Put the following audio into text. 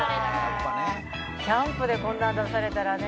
「やっぱね」「キャンプでこんなん出されたらね」